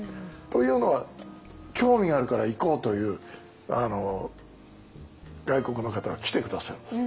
というのは興味があるから行こうという外国の方が来て下さる。